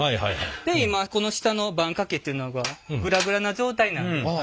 で今この下の盤かけっていうのがグラグラな状態なんで。